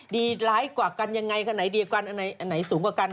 ดีร้ายกว่ากันยังไงคันไหนดีกันอันไหนสูงกว่ากัน